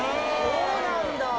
そうなんだ！